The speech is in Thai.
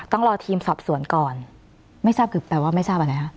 ต้องรอทีมสอบสวนก่อนไม่ทราบคือแปลว่าไม่ทราบอะไรฮะ